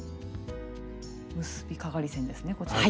結びかがり線ですねこちらが。